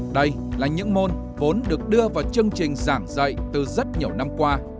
đây là những môn vốn được đưa vào chương trình giảng dạy từ rất nhiều năm qua